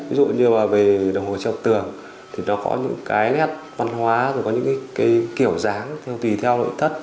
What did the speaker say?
ví dụ như là về đồng hồ treo tường thì nó có những cái nét văn hóa rồi có những cái kiểu dáng tùy theo nội thất